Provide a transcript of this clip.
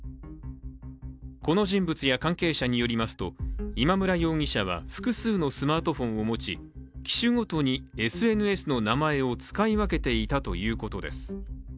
この人物や関係者によりますと今村容疑者は複数のスマートフォンを持ち、機種ごとにＳＮＳの名前を使い分けていたということです。